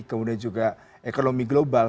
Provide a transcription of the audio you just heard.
kemudian juga ekonomi global